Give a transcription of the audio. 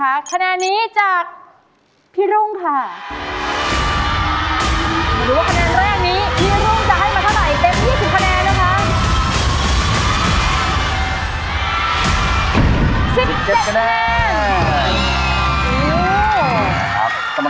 ค่ะคะแนนที่คุณให้คุณโยเกิร์ตคือ